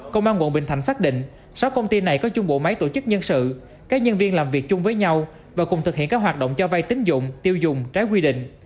công an quận bình thạnh xác định sáu công ty này có chung bộ máy tổ chức nhân sự các nhân viên làm việc chung với nhau và cùng thực hiện các hoạt động cho vay tín dụng tiêu dùng trái quy định